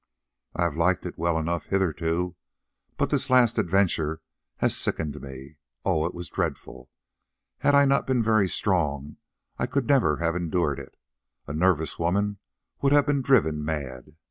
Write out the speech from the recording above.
"I have liked it well enough hitherto, but this last adventure has sickened me. Oh! it was dreadful. Had I not been very strong I could never have endured it; a nervous woman would have been driven mad.